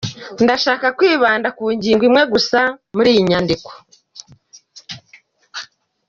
Ndashaka kwibanda ku ngingo imwe gusa muri iyi nyandiko.